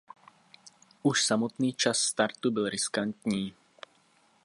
Už samotný čas startu byl riskantní.